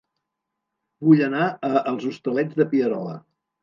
Vull anar a Els Hostalets de Pierola